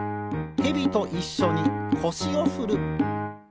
ヘビといっしょにこしをふる。